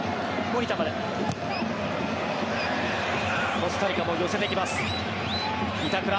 コスタリカも寄せてきます。